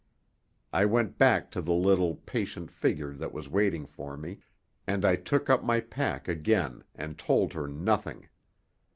I went back to the little, patient figure that was waiting for me, and I took up my pack again and told her nothing.